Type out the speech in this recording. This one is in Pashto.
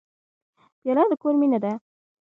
پیاله د کور مینه ده.